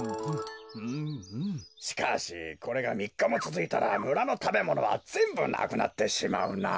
しかしこれがみっかもつづいたらむらのたべものはぜんぶなくなってしまうな。